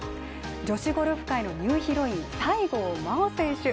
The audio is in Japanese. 女子ゴルフ界のニューヒロイン西郷真央選手